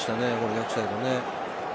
逆サイドね。